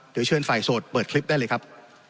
เดี๋ยวเชิญฝ่ายโสดเปิดคลิปได้เลยครับ